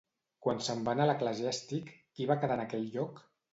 Quan se'n va anar l'eclesiàstic, qui va quedar en aquell lloc?